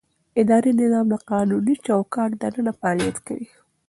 اداري نظام د قانوني چوکاټ دننه فعالیت کوي.